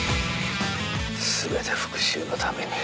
「全て復讐のために」